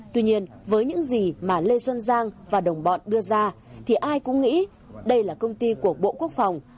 tuy nhiên với những gì mà lê xuân giang và đồng bọn đưa ra thì ai cũng nghĩ đây là công ty của bộ quốc phòng